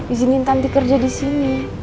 izinin tanti kerja di sini